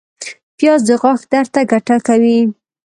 پیاز د غاښ درد ته ګټه کوي